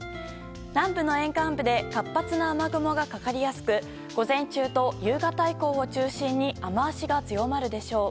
南部の沿岸部で活発な雨雲がかかりやすく午前中と夕方以降を中心に雨脚が強まるでしょう。